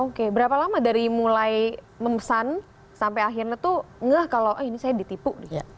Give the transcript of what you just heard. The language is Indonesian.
oke berapa lama dari mulai memesan sampai akhirnya tuh ngeh kalau ini saya ditipu nih